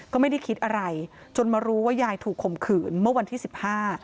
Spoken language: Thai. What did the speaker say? ก็ไม่ได้คิดอะไรจนมารู้ว่ายายถูกข่มขืนเมื่อวันที่สิบห้า